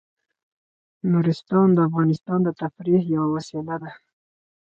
نورستان د افغانانو د تفریح یوه وسیله ده.